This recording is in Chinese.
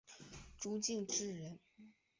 朱敬则人。